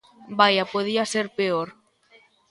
Vaia, podía ser peor.